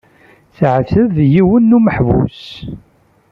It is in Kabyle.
Tɛetteb yiwen n umeḥbus.